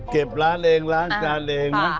เก็บร้านเองร้านการเอง